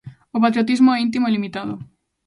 O patriotismo é íntimo e limitado.